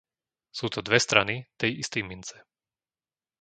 Sú to dve strany tej istej mince.